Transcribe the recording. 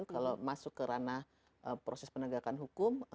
kalau masuk ke ranah proses penegakan hukum